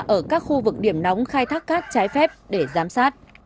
ở các khu vực điểm nóng khai thác cát trái phép để giám sát